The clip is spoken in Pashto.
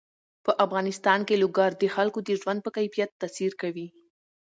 په افغانستان کې لوگر د خلکو د ژوند په کیفیت تاثیر کوي.